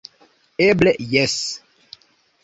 Eble jes.